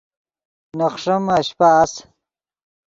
نے خݰیمے اشپہ اَس